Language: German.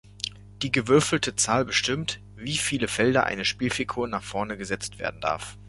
Die gewürfelte Zahl bestimmt, wie viele Felder eine Spielfigur nach vorne gesetzt werden darf.